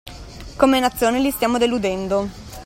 Come nazione li stiamo deludendo.